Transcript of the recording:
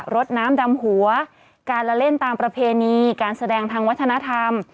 รถน้ำดำหัวการละเล่นตามประเพณีการแสดงทางวัฒนธรรม